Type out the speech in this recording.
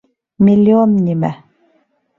Миллион нимә?